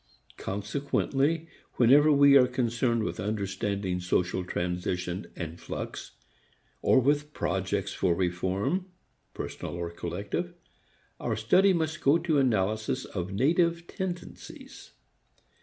Consequently whenever we are concerned with understanding social transition and flux or with projects for reform, personal and collective, our study must go to analysis of native tendencies.